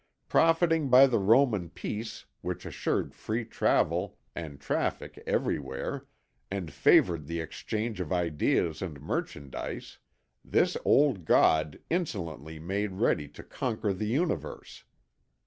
Profiting by the Roman peace which assured free travel and traffic everywhere, and favoured the exchange of ideas and merchandise, this old God insolently made ready to conquer the Universe.